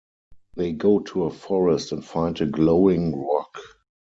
They go to a forest and find a glowing rock.